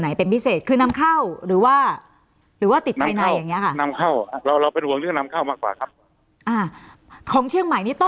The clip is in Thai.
ไหนเป็นพิเศษคือนำเข้าหรือว่าหรือว่าติดภายในอย่างเงี้ย